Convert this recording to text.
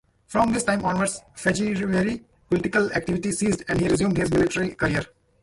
From this time onwards Fejervary's political activity ceased and he resumed his military career.